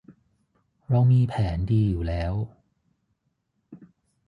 เรามีแผนดีอยู่แล้ว